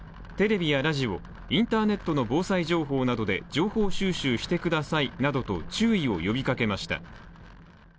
テレビやラジオ、インターネットの防災情報などで情報収集してくださいなどと注意を呼びかけました。